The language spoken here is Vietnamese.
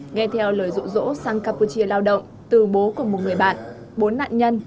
nghe theo lời rỗ rỗ sang campuchia lao động từ bố của một người bạn bốn nạn nhân